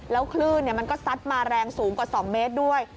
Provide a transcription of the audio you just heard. แล้วคลื่นมันก็ซัดมาแรงสูงกว่า๒เมตรด้วย